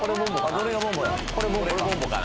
どれがボンボや？